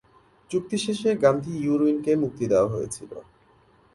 চুক্তি শেষে গান্ধী-ইরউইনকে মুক্তি দেওয়া হয়েছিল।